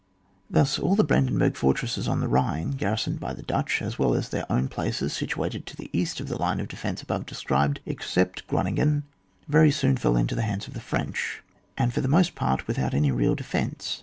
Thus all the Brandenburg fortresses on the Ehine, garrisoned bj Dutch, as well as all their own places sit uated to the east of the line of defence above described, except Groningen, very soon fell into the hands of the French, and for the most part without any real defence.